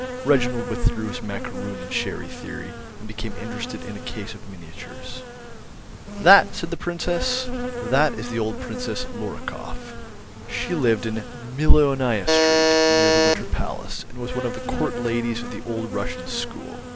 Reginald withdrew his macaroon and sherry theory, and became interested in a case of miniatures. "That?" said the Princess; "that is the old Princess Lorikoff. She lived in Millionaya Street, near the Winter Palace, and was one of the Court ladies of the old Russian school.